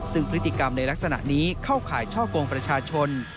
ซึ่งพฤติกรรมในลักษณะนี้เข้าข่ายช่อกงประชาชน